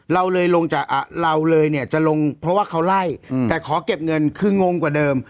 เราเลยจะลงเพราะว่าเขาไล่แต่ขอเก็บเงินคืองงกว่าเดิม